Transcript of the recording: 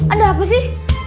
ada apa sih